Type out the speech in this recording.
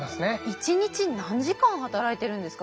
一日に何時間働いてるんですか？